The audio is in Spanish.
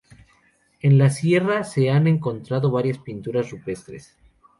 En la sierra se han encontrado varias pinturas rupestres.